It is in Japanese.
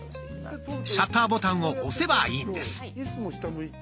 シャッターボタンを押せばいいんです。